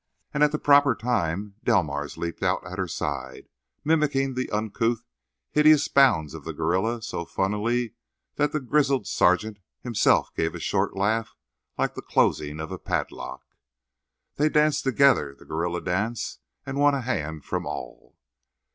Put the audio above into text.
And at the proper time Delmars leaped out at her side, mimicking the uncouth, hideous bounds of the gorilla so funnily that the grizzled sergeant himself gave a short laugh like the closing of a padlock. They danced together the gorilla dance, and won a hand from all.